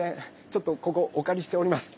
ちょっとここおかりしております。